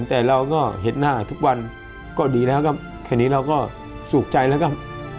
แต่เราก็เห็นหน้าทุกวันก็ดีแล้วครับแค่นี้เราก็สุขใจแล้วก็